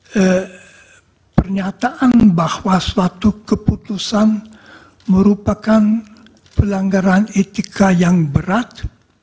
dan pernyataan bahwa suatu keputusan merupakan pelanggaran etika yang berat